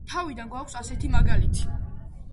თავიდან გვაქვს ასეთი მაგალითი.